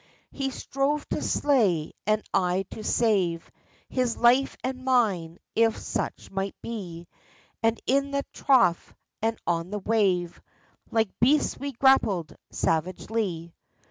23 He Strove to slay and I to save His life and mine if such might be, And in the trough and on the wave Like beasts we grappled savagely.